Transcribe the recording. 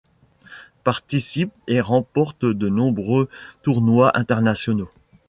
Participe et remporte de nombreux tournois internationaux.